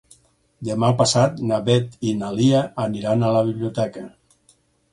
Demà passat na Beth i na Lia aniran a la biblioteca.